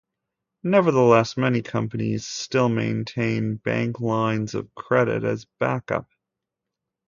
Nevertheless, many companies still maintain bank lines of credit as a "backup".